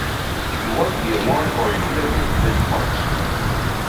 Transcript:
He won the award for his film "The Departed".